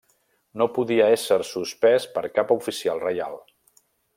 No podia ésser suspès per cap oficial reial.